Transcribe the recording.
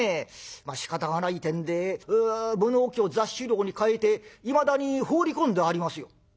しかたがないてんで物置を座敷牢に替えていまだに放り込んでありますよ」。